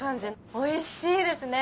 おいしいですね。